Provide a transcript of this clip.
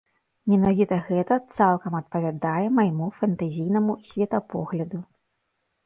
Менавіта гэта цалкам адпавядае майму фэнтэзійнаму светапогляду.